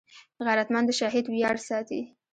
غیرتمند د شهید ویاړ ساتي